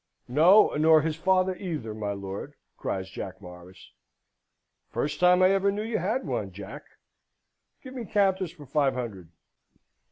"No, nor his father either, my lord!" cries Jack Morris. "First time I ever knew you had one, Jack. Give me counters for five hundred."